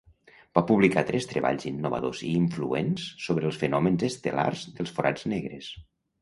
Va publicar tres treballs innovadors i influents sobre els fenòmens estel·lars dels forats negres.